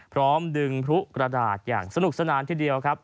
พร้อมดึงพลุกระดาษอย่างสนุกสนานทีเดียวครับ